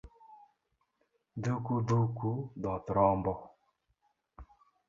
Dhuku dhuku dhoth rombo